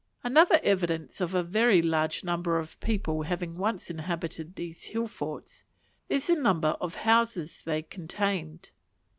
Another evidence of a very large number of people having once inhabited these hill forts is the number of houses they contained.